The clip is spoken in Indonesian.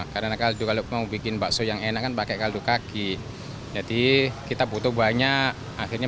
karena kaldu kalau mau bikin bakso yang enakan pakai kaldu kaki jadi kita butuh banyak akhirnya